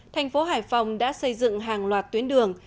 thành phố hải phòng đã xây dựng hàng loạt tuyến đường